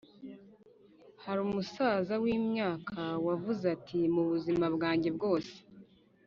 Hari umusaza w imyaka wavuze ati mu buzima bwanjye bwose